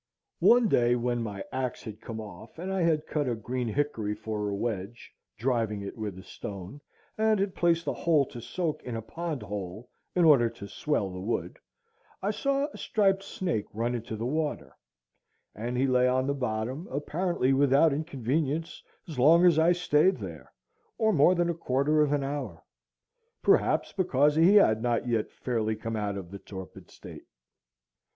One day, when my axe had come off and I had cut a green hickory for a wedge, driving it with a stone, and had placed the whole to soak in a pond hole in order to swell the wood, I saw a striped snake run into the water, and he lay on the bottom, apparently without inconvenience, as long as I stayed there, or more than a quarter of an hour; perhaps because he had not yet fairly come out of the torpid state.